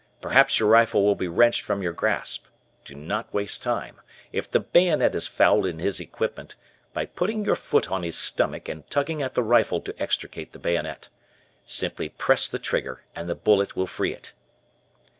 Perhaps your rifle will be wrenched from your grasp. Do not waste time, if the bayonet is fouled in his equipment, by putting your foot on his stomach and tugging at the rifle to extricate the bayonet. Simply press the trigger and the bullet will free it."